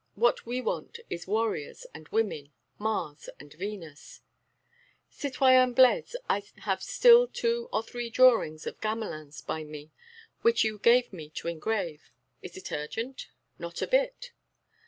What we want is warriors and women, Mars and Venus." "Citoyen Blaise, I have still two or three drawings of Gamelin's by me, which you gave me to engrave. Is it urgent?" "Not a bit."